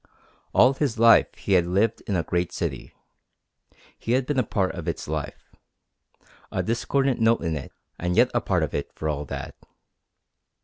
All his life he had lived in a great city, he had been a part of its life a discordant note in it, and yet a part of it for all that.